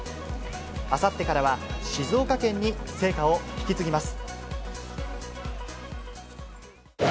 あさってからは静岡県に聖火を引き継ぎます。